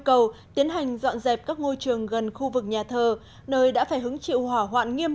cầu tiến hành dọn dẹp các ngôi trường gần khu vực nhà thờ nơi đã phải hứng chịu hỏa hoạn nghiêm